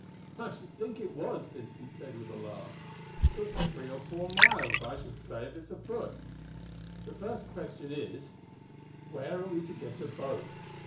"I should think it was," Vincent said with a laugh. "It's three or four miles, I should say, if it's a foot. The first question is where are we to get a boat?